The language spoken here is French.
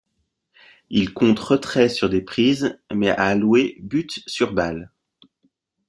Il compte retraits sur des prises mais a alloué buts-sur-balles.